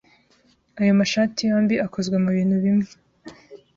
Ayo mashati yombi akozwe mubintu bimwe.